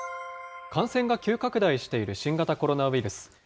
感染が急拡大している新型コロナウイルス。